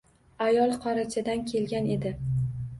Ayol qorachadan kelgan edi